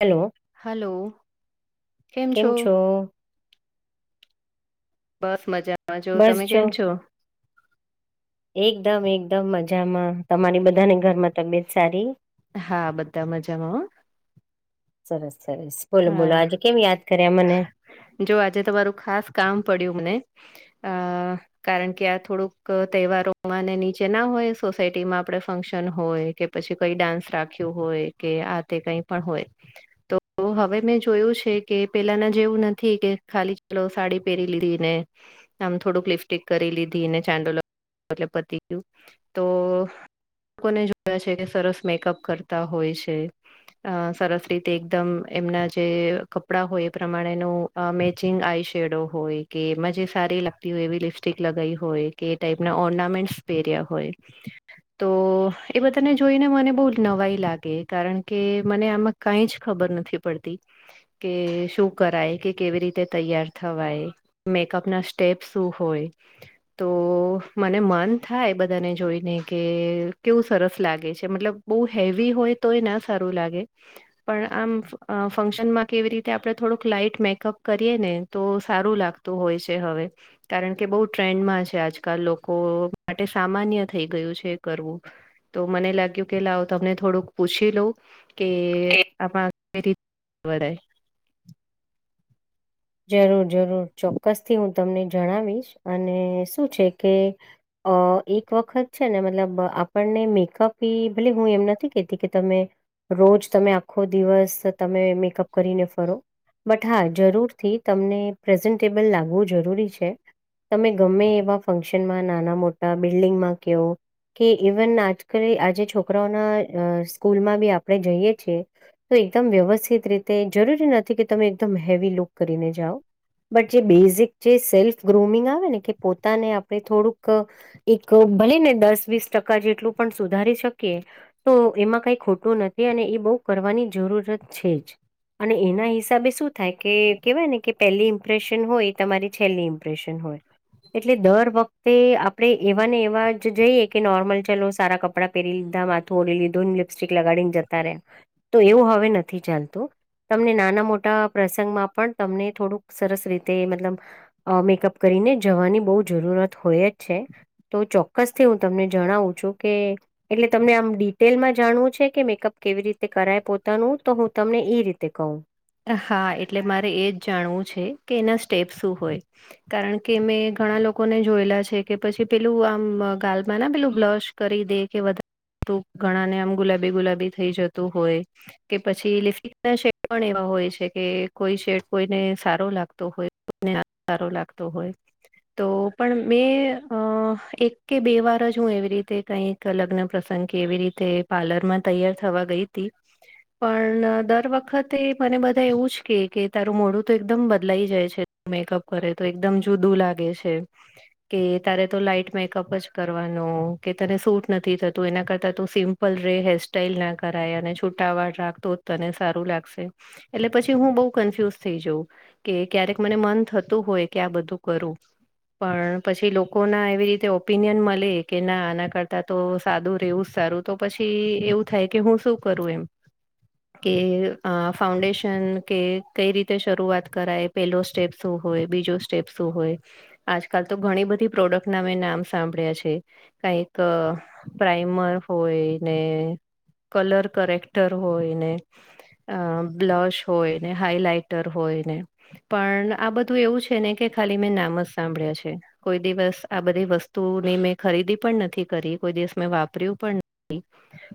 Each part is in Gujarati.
હલો હલો કેમ છો બસ મજામાં જો તમે કેમ છો એકદમ એકદમ મજામાં તમારી બધાને ઘરમાં તબિયત સારી હા બધા મજામાં હ સરસ સરસ બોલો બોલો આજે હા કેમ યાદ કર્યા મને જો આજે તમારું ખાસ કામ પડ્યું મને અ કારણ કે આ થોડુંક તહેવારોમાંને નીચે ના હોય સોસાયટીમાં આપણે ફંક્શન હોય કે પછી કઈ ડાન્સ રાખ્યું હોય કે આ તે કઈ પણ હોય તો હવે મેં જોયું છે કે પેલાના જેવું નથી કે ખાલી ચલો સાડી પહેરી લીધી ને આમ થોડુંક લિપ્ટિક કરી લીધી ને ચાંદલો લગાયો એટલે પતી ગયું તો લોકોને જોયા છે કે સરસ મેકઅપ કરતા હોય છે અ સરસ રીતે એકદમ એમના જે કપડાં હોય એ પ્રમાણે ન મેચિંગ આઈ શેડો હોય કે મજે સારી લગતી હોય એવી લિપસ્ટિક લગાવી હોય કે એ ટાઈપના ઓર્નામેન્ટસ પહેર્યા હોય હ તો એ બધાને જોઈને મને બહુ નવાઈ લાગે કારણ કે મને આમાં કઈ જ ખબર નથી પડતી કે શું કરાય કે કેવી રીતે તૈયાર થવાય મેકઅપ ના સ્ટેપ શું હોય તો મને મન થાય બધાને જોઈને કે કેવું સરસ લાગે છે, મતલબ બહુ હેવી હોય તો એ ના સારું લાગે પણ આમ અ ફંક્શનમાં કેવી રીતે આપણે થોડુંક લાઈટ મેકઅપ કરીએ ને તો સારું લાગતું હોય છે, હવે કારણ કે બહુ ટ્રેન્ડમાં છે આજકાલ લોકો માટે સામાન્ય થઈ ગયું છે, એ કરવું તો મને લાગ્યું કે લાવ તમને થોડુંક પૂછી લઉં કે આપણાથી કઇ રીતે કરાય જરૂર જરૂર ચોક્કસથી હું તમને જણાવીશ અને શું છે, કે અ એક વખત છે ને મતલબ આપણને મેકઅપ ભલે હું એમ નથી કેતી કે તમે રોજ તમે આખો દિવસ તમે મેકઅપ કરીને ફરો બટ હા જરૂર થી તમને પ્રેઝન્ટેબલ લાગવું જરૂરી છે, તમે ગમે એવા ફંક્શનમાં નાના મોટા બિલ્ડિંગમાં કયો કે ઈવન આજકાલ આજે છોકરાઓના સ્કૂલમાં બી આપણે જઈએ છીએ તો એકદમ વ્યવસ્થિત રીતે જરૂરી નથી કે તમે એકદમ હેવી લુક કરીને જાઓ બટ જે બેઝિક જે સેલ્ફ ગ્રુમિંગ આવે ને કે પોતાને આપણે થોડુંક એક ભલે ને દસ વીસ ટકા જેટલું પણ સુધારી શકીએ તો એમાં કઈ ખોટું નથી અને એ બહુ કરવાની જરૂરત છે, જ અને એના હિસાબે શું થાય કે કેવાય ને કે પહેલી ઇમ્પ્રેશન હોય એ તમારી છેલ્લી ઇમ્પ્રેશન હોય એટલે દર વખતે આપડે એવા ને એવા જ જઈએ કે નોર્મલ ચાલ સારા કપ કપડા પહેરીધા માથું ઓળરી લીધું લિપસ્ટિક લગાડી ને જતા રે તો એવું હવે નથી ચાલતું તમને નાના મોટા પ્રસંગમાં પણ તમને થોડુંક સરસ રીતે મતલબ મેકઅપ કરીને જવાની બહુ જરૂરત હોય જ છે. તો ચોક્કસ થી હું તમને જણાવું છું કે. એટલે તમને આમ ડિટેલમાં જાણવું છે. કે મેકઅપ કેવી રીતે કરાય પોતાનું તો હું તમને ઈ રીતે કહું હા એટલે મારે એ જ જાણવું છે, કે એના સ્ટેપ શું હોય કારણ કે મેં ઘણા લોકોને જોયેલા છે, કે પછી પેલું આમ ગાલમાં ના પેલું બ્લશ કરી દે કે વધારે ઘણા ને આમ ગુલાબી ગુલાબી થઈ જતું હોય કે પછી લિફિતશે હોય છે, કે કોઈ શેડ કોઈને સારો લાગતો હોય સારો લાગતો હોય તો પણ મેં અ એક કે બે વાર જ હું એવી રીતે કઈ લગ્ન પ્રસંગ કેવી રીતે પાર્લર માં તૈયાર થવા ગઈ હતી પણ દર વખત તે મને બધા એવું જ કે કે તારું મોડું તો એકદમ બદલાઈ જાય છે, મેકઅપ કરે તો એકદમ જુદું લાગે છે. કે તારે તો લાઈટ મેકઅપ જ કરવાનું કે તને સૂટ નથી થતું એના કરતા તું સિમ્પ લ ર હેર સાઈલ ના કરાય અને છૂટાવાડ રાખ તો તને સારું લાગશે એટલે પછી હું બઉ કન્ફ્યુઝ થઈ જઉં. કે ક્યારેક મને મન થતું હોય કે આ બધું કરું પણ પછી લોકો ના એવી રીતે ઓપિનિયન મળે કે ના આના કરતાં તો સાદું રહેવું જ સારું તો પછી એવું થાય કે હું શું કરું એમ કે અ ફાઉન્ડેશન કે કઈ રીતે શરૂઆત કરાય પહેલો સ્ટેપ શું હોય બીજો સ્ટેપ શું હોય આજકાલ તો ઘણી બધી પ્રોડક્ટ ના મેં નામ સાંભળ્યા છે. કઈક પ્રાઈમર હોય ને કલર કરેક્ટર હોયને અ બ્લશ હોય ને હાઈલાઇટર હોય ને. પણ આ બધું એવું છે ને કે ખાલી મેં નામ જ સાંભળ્યા છે. કોઈ દિવસ આ બધી વસ્તુની મેં ખરીદી પણ નથી કરી કોઈ દિવસ મેં વાપર્યું પણ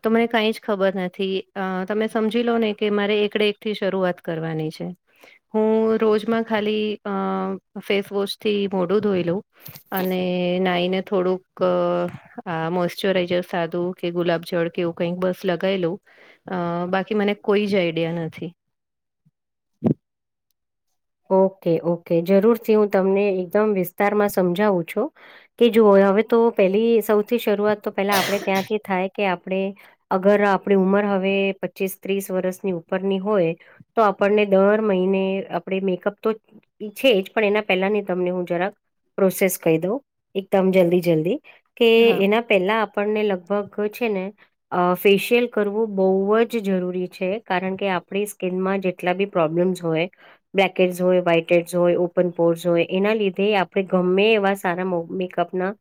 તો મને કઈ જ ખબર નથી અ તમે સમજી લો ને. કે મારે એકડે એક થી શરૂઆત કરવાની છે. હું રોજમાં ખાલી અ ફેસવોશ થી મોઢું ધોઈલું અને નાઈને થોડુંક આ મોસ્ચરાઈઝર સાદું કે ગુલાબ જળ કે એવું કઈક બસ લગાવ લઉ. અ બાકી મને કોઈ જ આઈડિયા નથી. ઓકે ઓકે જરૂરથી હું તમને એકદમ વિસ્તારમાં સમજાવું છું. કે જુઓ હવે તો પેલી સૌથી શરૂઆત તો પેલા આપણે ત્યાંથી થાય કે આપણે અગર આપણી ઉંમર હવે પચીસ ત્રીસ વર્ષની ઉપરની હોય. તો આપણને દર મહિને આપણે મેકઅપ તો ઈ છેે જ પણ એના પહેલા ની તમને હું જરાક પ્રોસેસ કહી દો એકદમ જલ્દી જલ્દી કે હા એના પેલા આપણને લગભગ છે ને અ ફેશિયલ કરવું બહુ જ જરૂરી છે કારણ કે આપણી સ્કીિનમાં જે જેટલા બી પ્રોબ્લેમ્સ હોય. બ્લેક હડ્સ હોય વ્હાઈટ એડ્સ હોય ઓપન પોર્સ હોય એના લીધે આપડણે ગમે એવા સારા અપ ના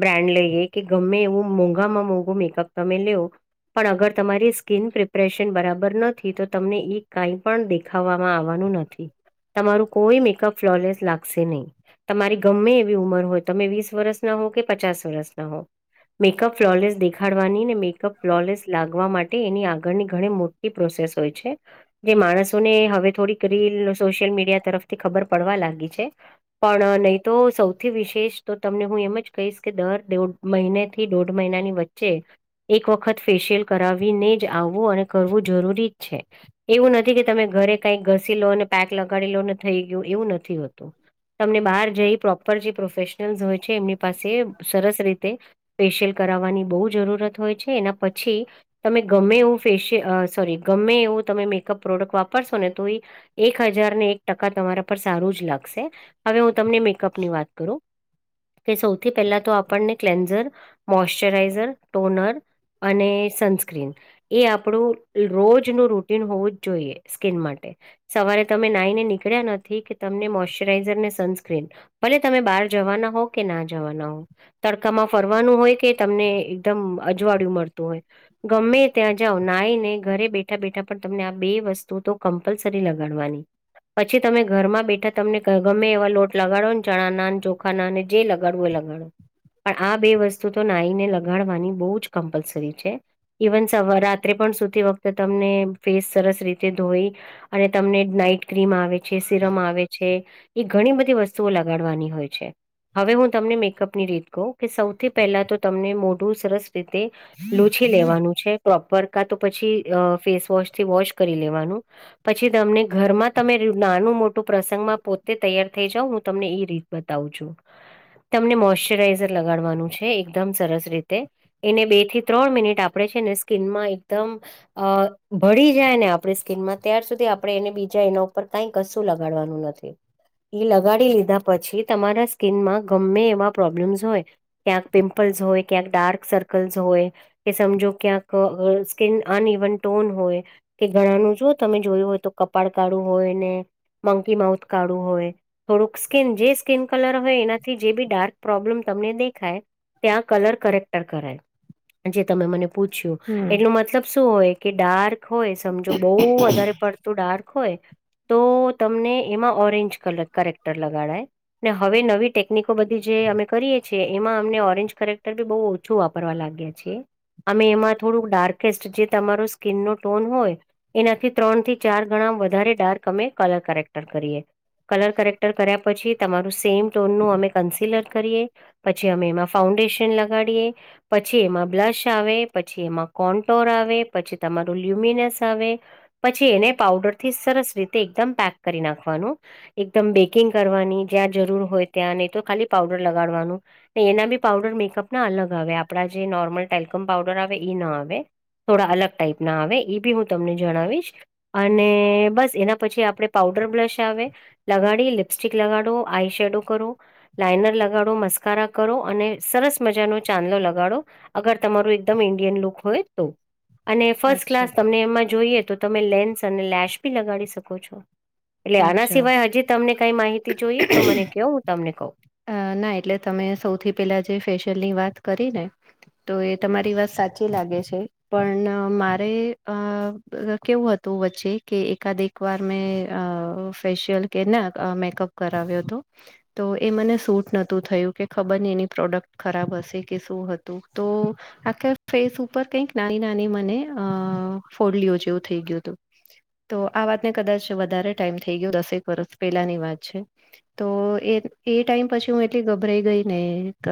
બ્રાન્ડ લઈએ કે ગમે એવું મોંઘામાં મોંઘું મેકઅપ તમે લવ પણ અગર તમારી સ્કીિન પ્રિપરેશન બરાબર નથી તો તમને ઈ કઈ પણ દેખ ખાવામાં આવવાનું નથી. તમારું કોઈ મેકઅપ ફ્લોલેસ લાગશે નહીં. તમારી ગમે એવી ઉંમર હોય તમે વીસ વર્ષના હો કે પચાસ વર્ષના હો મેકઅપ ફ્લોલેસ દેખાડવાની ને મેકઅપ ફ્લોલેસ લાગવા માટે એની આગળની ઘણી મોટી પ્રોસેસ હોય છે જે માણસોને હવે થોડી કરી સોશિયલ મીડિયા તરફથી ખબર પડવા લાગી છે. પણ નહી તો સૌથી વિશેષ તો તમને હું એમ જ કહીશ કે દર દેઢ મહિને થી દોઢ મહિનાની વચ્ચે એક વખત ફેશિયલ કરાવીને જ આવવું અને કરવું જરૂરી જ છે. એવું નથી કે તમે ઘરે કઈક ઘસી લો અને પેક લગાડી લોને થઈ ગયું એવું નથી હોતું. તમને બહાર જઈ પ્રોપર જે પ્રોફેશનલ્સ હોય છે એમની પાસે સરસ રીતે ફેશિયલ કરાવવાની બહુ જરૂરત હોય છે એના પછી તમે ગમે એવું ફેશિય સોરી ગમે એવું તમે મેકઅપ પ્રોડક્ટ વાપરશો ને તો એ એક હજાર ને એક ટકા તમારા પર સારું જ લાગશે હવે હું તમને મેકઅપની વાત કરું કે સૌથી પહેલા તો આપણને ક્લેન્ઝર મોઈચરાઈઝર ટોનર અને સનસ્ક્રીન એ આપણું રોજ નુ રૂટીન હોવું જ જોઈએ સ્કીિન માટે સવારે તમે નાહીને નીકળ્યા નથી કે તમને મોશચરાઈઝર ને સનસ્ક્રીન ભલે તમે બહાર જવાના હો કે ના જવાના હો. તડકામાં ફરવાનું હોય કે તમને એકદમ અજવાળિયું મળતું હોય. ગમે ત્યાં જાવ નાય નને ઘરે બેઠા બેઠા પણ તમને આ બે વસ્તુ તો કમ્પલસ રી લગાડવાની પછી તમે ઘરમાં બેઠા તમને ગમે એવા લોટ લગાડો ને જણા નાન ચોખા ના જે લગાડવું હોયે લગાડો પણ આ બે વસ્તુ તો નાઈને લગાડવાની બહુ જ કમ્પલસરી છે. ઇવન સવા રાત્રે પણ સુતી વખતે તમને ફેસ સરસ રીતે ધોઈ અને તમને નાઈટ ક્રીમ આવે છે સિરમ આવે છે. એ ઘણી બધી વસ્તુઓ લગાડવાની હોય છે. હવે હું તમને મેકઅપની રીત કહું કે સૌથી પહેલા તો તમને મોઢું સરસ રીતે લૂછી લેવાનું છે. પ્રોપર કા તો પછી ફેસવોશ થી વોશ કરી લેવાનું. પછી તમને ઘરમાં તમે નાનું મોટું પ્રસંગ માં પોતે તૈયાર થઈ જાાવ હું તમને ઈ રીત બતાવું છું તમને મોઈસ્ચરાઈઝર લગાડવાનું છે એકદમ સરસ રીતે એને બે થી ત્રણ મિનિટ આપણેે છે ને સ્કિનમાં એકદમ અ ભળી જાય ને આપણી સ્કિનમાં ત્યાર સુધી આપણે એને બીજા એના ઉપર કઈ કશું લગાડવાનું નથી. એ લગાડી લીધા પછી તમારા સ્કિનમાં ગમે એવા પ્રોબ્લેમ્સ હોય. ક્યાંક પિમ્પલ્સ હોય ક્યાંક ડાર્ક સર્કલ્સ હોય. કે સમજો ક્યાંક સ્કિન અનઇવન ટોન હોય કે ઘણાનું જો તમે જોયું હોય તો કપાળ કાળુ હોય ને મંકી માઉથ કાળુ હોય. થોડુંક સ્કિન જે સ્કિન કલર હોય એનાથી જે બી ડાર્ક પ્રોબ્લેમ તમને દેખાય. ત્યાં કલર કરેક્ટર કરાય જે તમે મને પૂછ્યું હમ એટલે મતલબ શું હોય કે ડાર્ક હોય સમજો બવુ. વધારે પડતું ડાર્ક હોય તો તમને એમાં ઓરેન્જ કલર કરરેક્ટર લગાડાય. ને હવે નવી ટેકનિકો બધી જે અમે કરીએ છીએ એમાં અમને ઓરેન્જ કરેક્ટર બી બહુ ઓ છું વાપરવા લાગ્યા છે. અમે એમાં થોડુંક ડાર્કેસ્ટ જે તમારો સ્કીિન નો ટોન હોય એનાથી ત્રણ થી ચાર ગણા વધારે ડાર્ક અમે કલર કેરેક્ટર કરીએ. કલર કરેક્ટર કર્યા પછી તમારું સેમ ટોનનું અમે કન્સિલર કરીએ. પછી અમે એમાં ફાઉન્ડેશન લગાડીએ. પછી એમાં બ્લશ આવે પછી એમાં કોન્ટોર આવે પછી તમારું લ્યુમિનસ આવે. પછી એને પાઉડર થી સરસ રીતે એકદમ પેક કરી નાખવાનું. એકદમ બેકિંગ કરવાની જ્યાં જરૂર હોય ત્યાં નહી તો ખાલી પાવડર લગાડવાનું. એના બી પાવડર મેકઅપ ના અલગ આવે આપડા જે નોર્મલ ટેલકમ પાવડર આવે એ ન આવે. થોડા અલગ ટાઈપ ના આવે એ બી હું તમને જણાવીશ. અને બસ એના પછી આપડે પાઉડર બ્લશ આવે. લગાડી લિપસ્ટિક લગાડો આઈ શેડો કરો. લાાઈનર લગાડો મસ્કારા કરો અને સરસ મજાનો ચાંદલો લગાડો. અગર તમારું એકદમ ઇન્ડિયન લુક હોય તો. અને ફર્સ્ટ અચ્છા ક્લાસ તમને એમાં જોઈએ તો તમે લેન્સ અને લેેશ બી લગાડી શકો છો. એટલે આના અચ્છા સિવાય હજી તમને કઈ માહિતી જોઈએ તો મને કેયોય હું તમને કઉ. અ ના એટલે તમે સૌથી પેલા જે ફેશિયલ ની વાત કરી ને. તો એ તમારી વાત સાચી લાગે છે પણ મારે અ અ કેવું હતું વચ્ચે કે એકાદ એક વાર મેં અ ફેશિયલ કે ના મેકઅપ કરાવ્યો હતો. તો એ મને સૂટ નહોતું થયું કે ખબર ને એની પ્રોડક્ટ ખરાબ હશે કે શું હતું તો આખે ફેસ ઉપર કંઈક નાની નાની મને અ ફોડલીઓ જેવું થઈ ગયું હતું. તો આ વાતને કદાચ વધારે ટાઈમ થઈ ગયો દસેક વર્ષ પેલાની વાત છે. તો એ એ ટાઈમ પછી હું એટલી ગભરાઈ ગઈ ને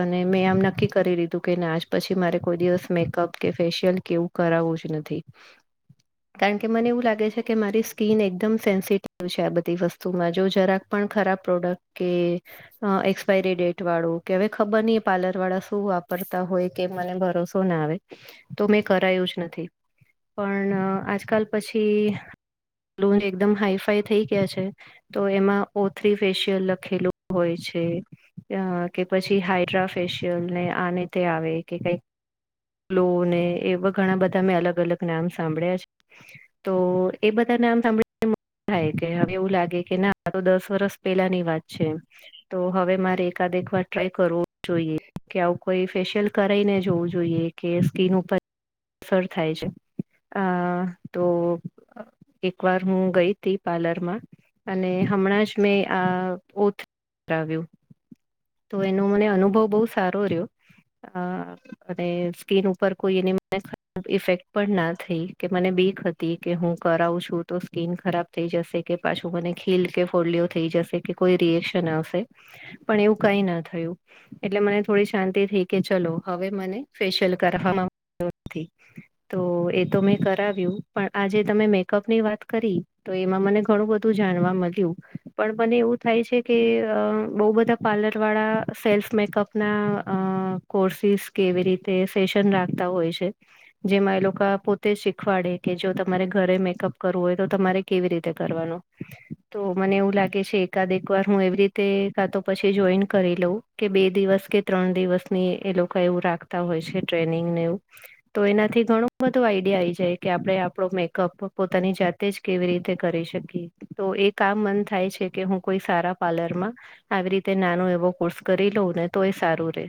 અને મેં આમ નક્કી કરી લીધું કે આજ પછી મારે કોઈ દિવસ મેકઅપ કે ફેશિયલ કેવું કરાવવું જ નથી. કારણ કે મને એવું લાગે છે કે મારી સ્કિન એકદમ સેન્સિટિવ છે આ બધી વસ્તુમાં જો જરાક પણ ખરાબ પ્રોડક્ટ કે અ એક્સપાયરી ડેટ વાળું કે હવે ખબર નહી એ પાર્લર વાળા શું વાપરતા હોય કે મને ભરોસો ના આવે તો મેં કરાયું જ નથી. પણ આજકાલ પછી લો એકદમ હાઈફાઈ થઈ ગયા છે તો એમાં ઓથ્રી ફેશિયલ લખેલું હોય છે. અ કે પછી હાઇડ્રા ફેશિયલ ને આને તે આવે કે કઈક લો ને એવા ઘણા બધા મેં અલગ અલગ નામ સાંભળ્યા છે. તો એ બધા નામ સામ થાય કે હવે એવું લાગે કે ના આ તો દસ વર્ષ પેલાની વાત છે. તો હવે મારે એકાદ એક વાર ટ્રાય કરવો જોઈએ કે આવું કોઈ ફેશિયલ કરાઈને જોવું જોઈએ કે સ્કિન ઉપર સર થાય છે આ તો એક વાર હું ગઈ પાર્લરમાં અને હમણાં જ મેં ઓથ્રી કરાવ્યુ તો એનો મને અનુભવ બહુ સારો રહ્યો. અને સ્કીિન ઉપર કોઈ એની ખરાબ ઇફેક્ટ પણ ના થઈ કે મને બીક હતી કે હું કરાવું છું તો સ્કીિન ખરાબ થઈ જશે કે પાછું મને ખીલ કે ફોડલીઓ થઈ જશે કે કોઈ રિએક્શન આવશે. પણ એવું કઈ ના થયું‌. એટલે મને થોડી શાંતિ થઈ કે ચલો હવે મને ફેશિયલ કરવામાં બીક નથી. તો એ તો મેં કરાવ્યું પણ આજે તમે મેકઅપ ની વાત કરી તો એમાં મને ઘણું બધું જાણવા મળ્યું પણ મને એવું થાય છે કે બહુ બધા પાર્લર વાળા સેલ્ફ મેકઅપ ના અ કોર્સિસ કેવી રીતે તે સેશન રાખતા હોય છે. જેમાં એ લોકો પોતે શીખવાડે કે જો તમારે ઘરે મેકઅપ કરવું હોય તો તમારે કેવી રીતે કરવાનું તો મને એવું લાગે છે એકાદ એક વાર હું એવી રીતે કા તો પછી જોઈન કરી લઉં કે બે દિવસ કે ત્રણ દિવસની એ લોકો એવું રાખતા હોય છે ટ્રેનિંગને એવું તો એનાથી ઘણું બધું આઈડિયા આઈ જાય કે આપણે આપણો મેકઅપ પોતાની જાતે જ કેવી રીતે કરી શકીએ તો એ આામ મન થાય છે કે હું કોઈ સારા પાર્લરમાં આવી રીતે નાનો એવો કોર્સ કરી લઉં ને તો એ સારું રે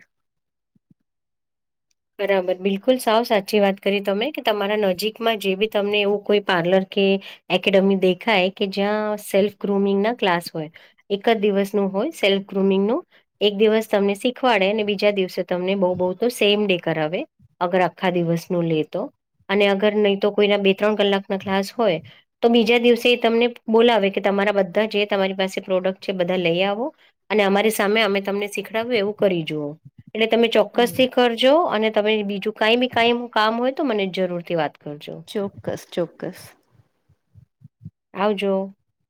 બરાબર બિલકુલ સાવ સાચી વાત કરી તમે કે તમારા નજીકમાં જે બી તમને એવું કોઈ પાર્લર કે એકેડેમી દેખાય કે જ્યાં સેલ્ફ ગ્રુમિંગના ક્લાસ હોય એક જ દિવસનું હોય સેલ્ફ ગ્રુમિંગનું એક દિવસ તમને શીખવાડે અનેને બીજા દિવસે તમને બહુ બહુ તો સેમ ડે. કરવે અગર આખા દિવસ ન લે તો અને અગર નહી તો કોઈના બે ત્રણ કલાક ના ક્લાસ હોય તો બીજા દિવસે એ તમને બોલાવે કે તમારા બધા જે તમારી પાસે પ્રોડક્ટ છે બધા લઈ આવો અને અમારી સામે અમે તમને શીખડ્યું એવું કરી જુઓ એટલે તમે ચોક્કસ હમ થી કર જો અને તમે બીજું કઈ બી કઈ કામ હોય તો મને જરૂર થી વાત કરજો. ચોક્કસ, ચોક્કસ આવજો